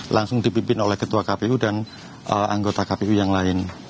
langsung dipimpin oleh ketua kpu dan anggota kpu yang lain